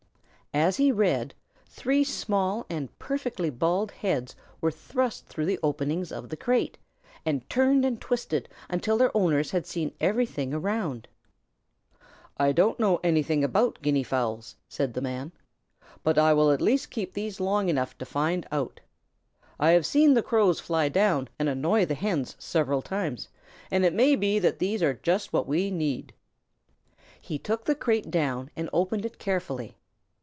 As he read three small and perfectly bald heads were thrust through the openings of the crate and turned and twisted until their owners had seen everything around. "I don't know anything about Guinea fowls," said the Man, "but I will at least keep these long enough to find out. I have seen the Crows fly down and annoy the Hens several times, and it may be that these are just what we need." He took the crate down and opened it carefully.